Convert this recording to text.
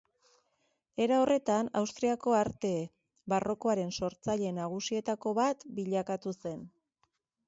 Era horretan, Austriako arte barrokoaren sortzaile nagusietako bat bilakatu zen.